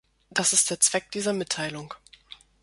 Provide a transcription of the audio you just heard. Das ist der Zweck dieser Mitteilung.